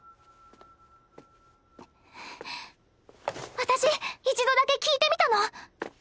私一度だけ聞いてみたの。